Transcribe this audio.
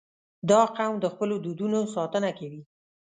• دا قوم د خپلو دودونو ساتنه کوي.